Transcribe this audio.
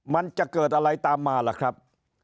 มันจะเกิดอะไรตามมาล่ะครับ